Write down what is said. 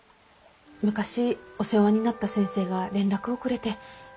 昔お世話になった先生が連絡をくれて。